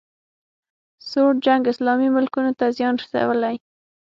سوړ جنګ اسلامي ملکونو ته زیان رسولی